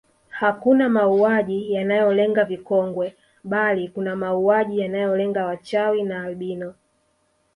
Hakuna mauaji yanayolenga vikongwe bali kuna mauaji yanayolenga wachawi na albino